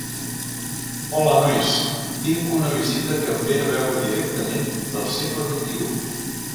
Hola nois, tinc una visita que em ve a veure directament del segle vint-i-ú.